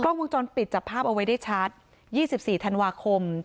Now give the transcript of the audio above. กล้องวงจรปิดจับภาพเอาไว้ได้ชัดยี่สิบสี่ธันวาคม